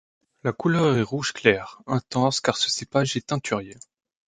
La couleur est rouge clair intense car ce cépage est teinturier.